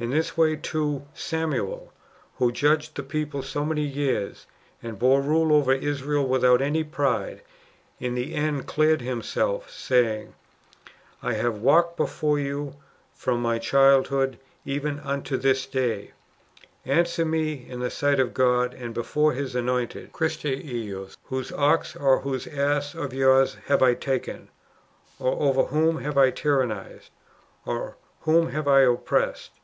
^ In this way, too, Samuel, who judged the people so many years, and bore rule over Israel without any pride, in tlie end cleared himself, saying, " I have walked before you from my childhood even unto this day : answer me in the sight of God, and before His anointed (Christi ejus) ; whose ox or whose ass of yours have I taken, or over whom have I tyrannized, or whom have I oppressed